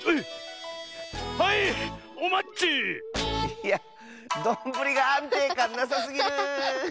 いやどんぶりがあんていかんなさすぎる！